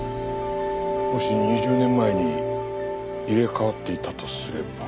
もし２０年前に入れ替わっていたとすれば。